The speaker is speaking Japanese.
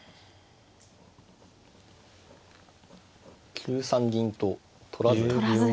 ９三銀と取らずに。